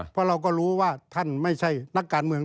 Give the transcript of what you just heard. เพราะเราก็รู้ว่าท่านไม่ใช่นักการเมือง